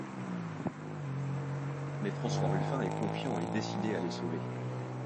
Mais François Ruffin est confiant et décidé à les sauver.